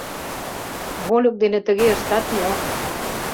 Вольык дене тыге ыштат мо?